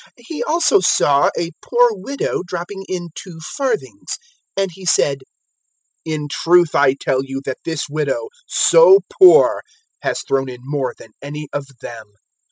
021:002 He also saw a poor widow dropping in two farthings, 021:003 and He said, "In truth I tell you that this widow, so poor, has thrown in more than any of them.